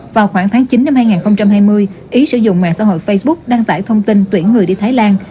vào khoảng tháng chín năm hai nghìn hai mươi ý sử dụng mạng xã hội facebook đăng tải thông tin tuyển người đi thái lan